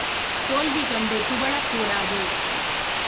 தோல்வி கண்டு துவளக் கூடாது.